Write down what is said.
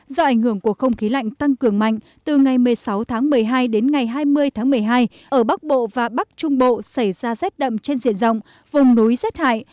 do ảnh hưởng của không khí lạnh tăng cường mạnh từ ngày một mươi sáu tháng một mươi hai đến ngày hai mươi tháng một mươi hai ở bắc bộ và bắc trung bộ xảy ra rét đậm trên diện rộng vùng núi rét hại